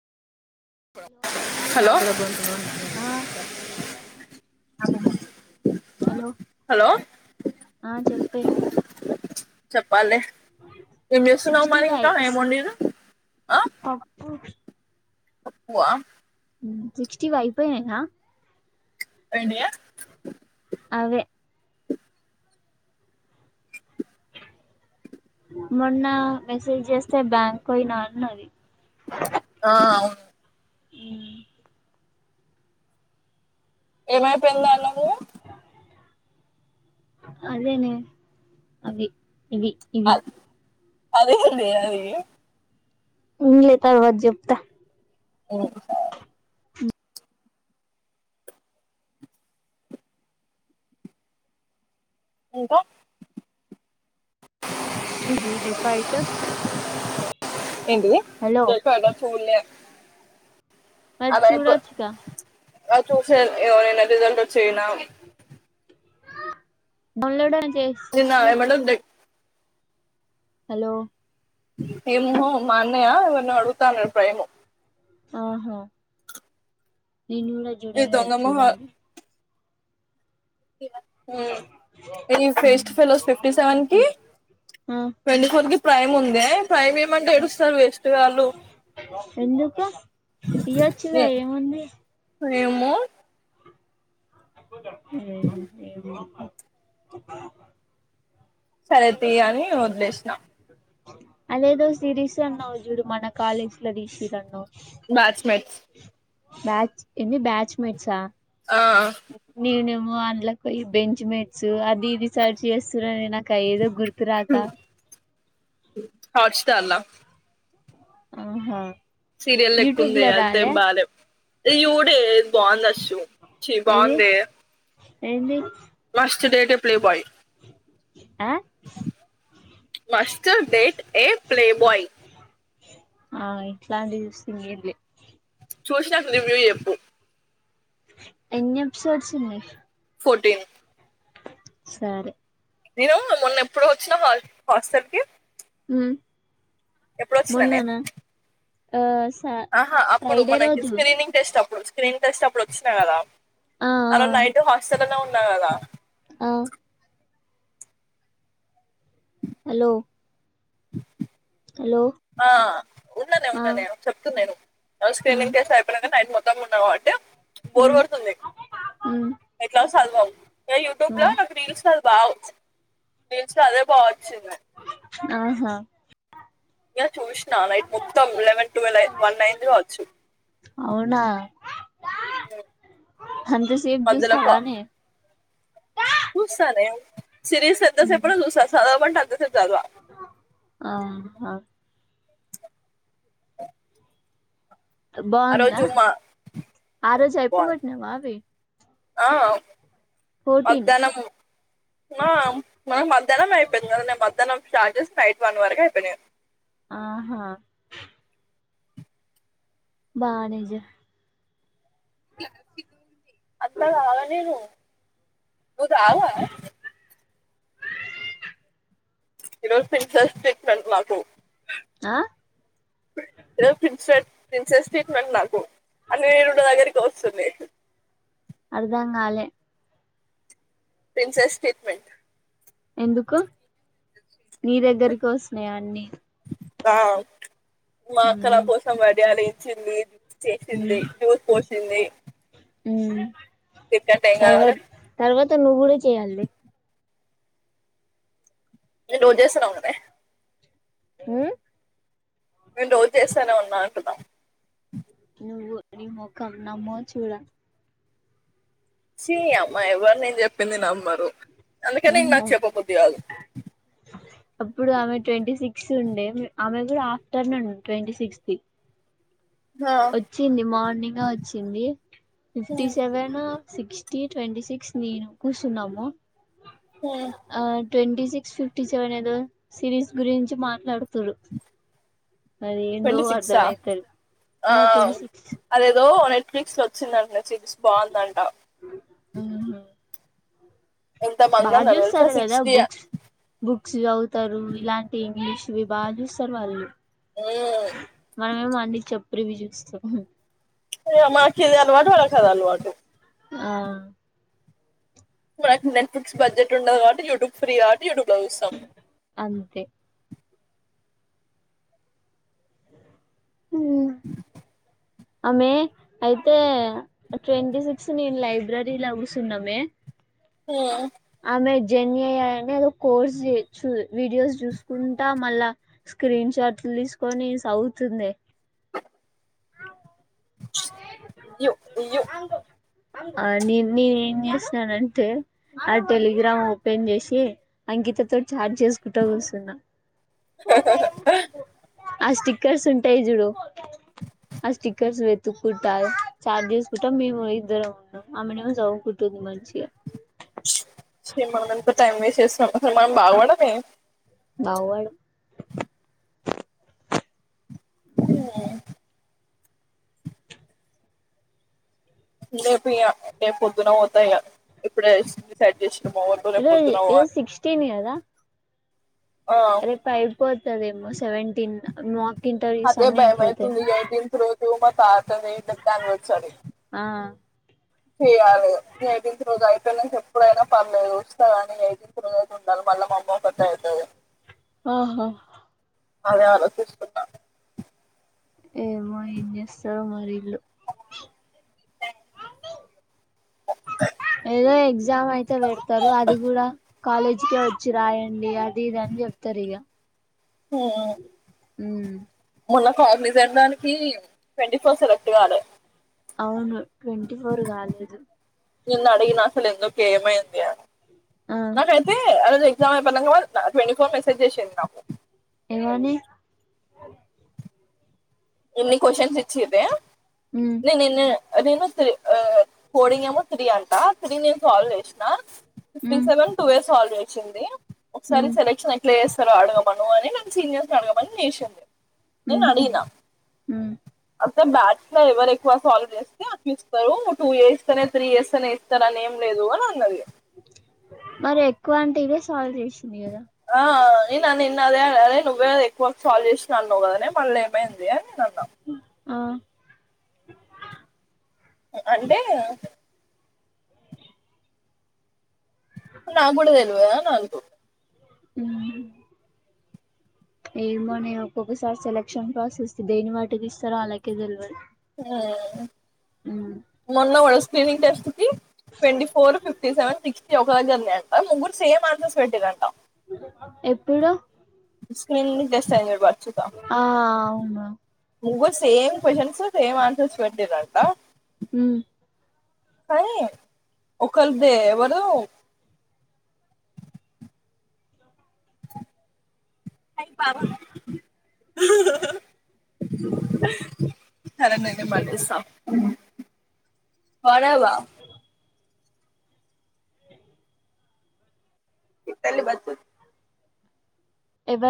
Hello ఆ hello లో ఆ చెప్పే ప్పలే ఏం జెస్తున్నావ్ సిక్స్టీ మరి వై ఇంకా ఏం మొండినవ్ ఆ. పప్పు కువ మ్ సిక్స్టీ ఫైవ్ అయిపోయినాయా ఏంటియీ అవే మొన్న మెసేజ్ జేస్తే బ్యాంకోయినా అన్నది. ఆ అవును ఉ ఏమైపోయిందా అన్నది గదా అదేనే అవి ఇవి ఇవి అదేందే అది ఉన్లే తర్వాత జెప్తా ఓహో ఇంకా చూడాలే డెకాయిట్ ఏంటిది హలో డెకాయిట్ ఆ చూడ్ల మరే చూడొచుగా ఆ చూస ఏవోనా రిజల్ట్ వచ్చయిన బల్లడే చిన్న ఎమ్మటే దగ్ హలో అమ్మో మా అన్నయా ఎవ్వరిని అడుగుతా అన్నడు ప్రేము అవును నిను కూడా ఈ జుడాల దొంగ మొహ జుడాల ఉమ్ ఫెస్ట్ ఫెలిస్ ఫిఫ్టీ సెవెన్కి ట్వంటీ ఫోర్ కి ప్రైమ్ ఉంది ప్రైమ్ అయ్యమంటే ఏడుస్తరు వేస్ట్ గాళ్ళు ఎందుకు ఇయ్యొచ్చుగా ఏ ఏముంది ఏమో [unintelligible] సరేతి అని వదిలేషన అదేదో సిరీస్ అన్నావు చూడు మన కాలేజ్ లో తీసిర్రు అన్నావవ్ బ్యాచ్ మేట్స్ బ్యాచ్ ఏంది బ్యాచ్మెట్సా ఆ నీనేమో అందులోకి పోయ బెంచ్ మేట్స్ అది ఇది సర్చ్ చేస్ సురణ నాక ఏదో గుర్తురాక చాలా ఆహ సీరియల్ లేక్కుంది అదే బాలేద బాగుంది అశు చి బావుందే ఏంటి last date a playboy ఆ most date a playboy ఆ ఇట్లాంటి చూస్తే చూసినక రీవ్యూ చేప్పు ఎన్నీపిసోడ్స్ ఉన్నాయి ఫోర్టీన్ సరే నేను మొన్న ఎప్పుడు వచ్చిన హ హాస్టల్కి ఉమ్ ఎప్పుడు వచ్చిననేన్ ఆస్ ఆహా అప్పుడు మనకి స్క్రీనింగ్ టెస్ట్ అప్పుడు స్క్రీన్ టెస్ట్ అప్పుడు వచ్చినా కదా ఆ ఆరోజ్ నైట్ హాస్టల్నే ఉన్నా కదా ఆ హలో హలో ఆ ఉన్ననే ఆ ఉన్నానే చెప్తున్నా నేను స్క్రీనింగ్ చేస్తా అయిపోయ నాకా మో క మున్నా కాబట్టి బోర్ కొడుతుంది ఎట్లా చదవం ట్యూబ్లో నాకు రీల్ చ వావ్ దీల్స్ అదే బావ వచ్చింది ఆహా ఇక చూసిన నైట్ మొత్తం లెవెన్ ట్వెల్వ్ వన్ అయింది కావచ్చు అంతా సేపు మధ్యలో కా- చూస్తావానే చూస్తానే సిరిస్ ఎంత సేపైనా చూస్తా చదవమంటే అంతసేపు చదవ ఆహా ఆ బాగుందా రోజు మా ఆ రోజు బాయ్ అయిపోగట్టినవా అవి ఆ ఫోర్టీన్ మధ్యాహ్నము నామ్ మనకు మధ్యాహ్నం అయిపోయింది కదా నేను మధ్యాహ్నం స్టార్ట్ చేసి నైట్ వన్ వరకు అయిపోయినా ఆహా బానేజ అంతా కాగా నేను నువ్వు రావా ఈరోజు పింఛన్ ఇస్తున్నారు మాకు ఆ రేప్సీన్స్ ప్రిన్సెస్ స్టెప్పు నాకు అని రెండు దగ్గరికి వస్తుంది అర్థం కాలే ప్రిన్సెస్ స్టేట్మెంట్ ఎందుకు నీ దగ్గరకి పోవచ్చు వస్తున్నాయి అన్ని వావ్ మా ఉమ్ అక్క నా కోసం వడియాల ఇచ్చింది చేసింది జ్యూస్ పోసింది ఉ తిట్టంట ఏం కావాలి నువ్వు కూడా చేయాలే నువ్వు చేస్తున్నావ్ కదే ఉ నేను రోజు చేస్తానే ఉన్నా అంటున్న నువ్వు నీ మొఖం నమ్మో చూడ ఛీ అమ్మ ఏవ్వాలిని చెప్పు చెప్పింది నమ్మరు అందుకనే ఇం నాకు నమ్మో చెప్పబుద్ధి కాదు అప్పుడు ఆమె ట్వంటీ సిక్స్ ఉండే ఆమె కూడా ఆఫ్టర్నూన్ ఉ ట్వంటీ సిక్స్త్ వచ్చింది మార్నింగ్ వచ్చింది fifty seven sixty twenty six నేను కూసున్నాము హ ట్వంటీ సిక్స్ ఫిఫ్టీ సెవెన్ ఏదో సిరీస్ గురించి మాట్లాడుతురు అది ఏందో ట్వంటీ అర్థం సిక్సా అయితలేదు ఆ ట్వంట సిక్స్ ఫలిక్స్ లో వచ్చిందంట చిజస్ బాగుందంట ఆ ఎంత మంది బాగా అన్నారు తెలుసా చూస్తారు కదా సిక్స్టీ బుక్స్ బుక్ క్స్ చదువుతారు ఇలాంటి ఇంగ్లీషవి బాగా చూస్తారు వాళ్ళు మనమేమో అన్ని చప్పురివి చూస్తాము ఇగ మాకిింది అలవాటు వాళ్లకు అది అలవాటు ఆ మన నెట్ఫ్లిక్స్ బడ్జె ఉండదు కాబట్టి యూట్యూబ్ ఫ్రీ ఆ థియేటర్ లో చుస్తాం అంతే మ్మ్ ఆమె అయితే ట్వంటీ సిక్స్ నేను లైబ్రరీ లా కూస్తున్నామే హ్మ్ ఆమె జర్నీ అయ్యానేదో కోర్స్ చే వీడియోస్ చూసుకుంటా మళ్ళా స్క్రీన్ షాట్లు తీసుకొని చదువుతుంది ఈవ్ ఈవ్ ఆ నే నేను ఏం చేసినానంటే ఆ టెలిగ్రామ్ ఓపెన్ చేసి అంకితతో చార్ట్ చేసుకుంటా కూర్చున్నా ఆ స్టిక్కర్స్ ఉంటాయి జుడు ఆ స్టిక్కర్స్ పే తతుక్కుంటా చాట్ చేసుకుంటా మేము ఇద్దరం ఉన్నాం ఆమెనేమో చదువుకుంటుంది మంచిగా మ ఎంత టైం వేస్ట్ చేసాం అసలు మనం బాగుపడమే బాగుపడం హ్మ్ రేపు ఇయా రే పొద్దున పోత ఇగ ఇప్పుడే చేసినా మా వాళ్ళతోనే ఏదో పోదున్న పో ఏదో అని సిక్స్టీన్ కదా రేపు అయిపోతదేమో సెవెంటీనా అదే భయమైవుతుంది ఎయిటీన్ తూ మా తాత న దాన్ని వచ్చాడి ఆ చెయాలి ఇగ యైటీన్ త రోజు అయితే ఎప్పుడైనా పర్లేదు వస్తా కానీ యైటీన్ త రోజు అయితే ఉండాలి అల్ మా అమ్మ పట్టా అయితాది ఆహా అదే ఆలోచిస్తున్నా ఏమో ఏం చేస్తారు మరి విల్లు ఏదో ఎగ్జామ్ అయితే పెడతారు అది కూడా కాలేజీకే వచ్చి రాయండి అది ఇది అని చెప్తారు ఇక హ్మ్ మ్మ్ మన్న కాగ్నిజెంట్ డానికి ట్వంటీ ఫోర్ సెలెక్ట్ కాలే అవును ట్వంటీ ఫోర్ కాలేదు నిన్న అడిగిన అసలు ఎందుకు ఏమైంది ఆ నాకైతే అ ఎజా ట్వంట ఫర్ మెసజె చేసిండు నాకు ఏం అని ఎన్ని క్వశచన్స్ ఇచ్చితే ఉమ్ నేనును నేను త్రీ కోడింగ్ ఏమో త్రీ అంటా త్రీ నేను సాల్వ్ చేసిన త్రీ ఉమ్ సెవెన్ టూ వ సాల్వ్ చేసింది ఒకసారి ఉమ్ సెలక్షన్ ఎట్లా చేస్ అడగమను అని నను సీనియర్స్ అడగమని నేసింది నేను అడిగిన మ్మ్ అ బ్యాట్ ఎవరు ఎక్కువ సాల్వ్ చేస్తే చూస్తారు టూ ఇయర్స్ తనే త్రీ చేస్తేనే ఇస్తారు అని ఏం లే లేదు అని అన్నది మరి ఎక్కువ అంటే ఇవే సాల్వ్ చేస్ ఆ ఆ నన్న నిన్న అదే నువ్వే అది ఎక్కువకు సాల్వ్ చేసినవు అన్నావు కదనే మళ్ళ ఏమైందే అని నేను అన్న ఆ అంటే నాగుడదేల్వదా నాలుగు ఉమ్ ఏమోనే ఒక్కొక్కసారి సెలెక్షన్ ప్రాసెస్ దేన్ని బట్టి గిస్తారో అలాకే తెలివాలి ఆ మొన్న మన స్క్రీనింగ్ టెస్ట్ కి twenty four fifty seven sixty ఒక ఎగ్జామ్ కి [unintelligible] ముగురు సేమ్ ఆన్సర్స్ పెట్టిండ్రంటా ఎప్పుడు స్క్రీనింగ్ టెస్ట్ చదివే బట్ ఆ అవును ముగురు సేమ్ క్వ్చన్స్ సేమ్ ఆన్సర్స్ పెట్టిండ్రంటా ఉమ్ కానీ ఒకలదీ ఎవరిదో హా హా ఆహా హా అరే నేన్ బడేస్తా పడవగా ఇత్తలి బతు